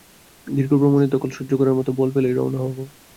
দীর্ঘ ভ্রমণের ধকল সহ্য করার মত বল পেলেই রওনা হব।